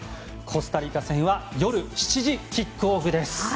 コスタリカ戦は夜７時キックオフです。